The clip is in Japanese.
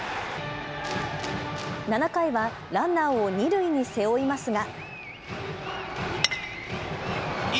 ７回はランナーを二塁に背負いますが。